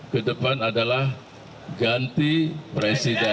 ke depan adalah ganti presiden